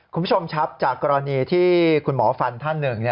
คุณผู้ชมครับจากกรณีที่คุณหมอฟันท่านหนึ่ง